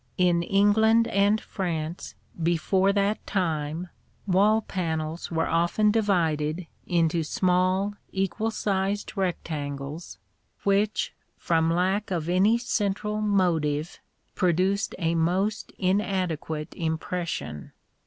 In England and France, before that time, wall panels were often divided into small equal sized rectangles which, from lack of any central motive, produced a most inadequate impression.